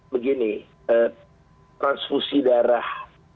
begini transfusi darah